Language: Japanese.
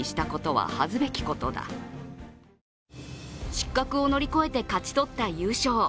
失格を乗り越えて勝ち取った優勝。